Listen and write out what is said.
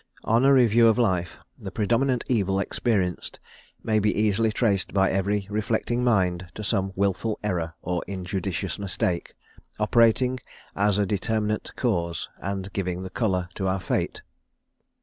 On a review of life, the predominant evil experienced may be easily traced by every reflecting mind to some wilful error or injudicious mistake, operating as a determinate cause, and giving the colour to our fate.